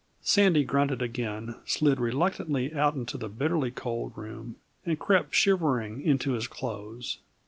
Sandy grunted again, slid reluctantly out into the bitterly cold room, and crept shivering into his clothes.